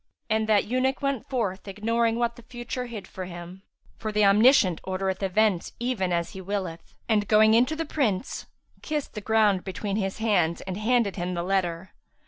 And that eunuch went forth ignoring what the future hid for him (for the Omniscient ordereth events even as He willeth); and, going in to the Prince, kissed the ground between his hands and handed to him the letter.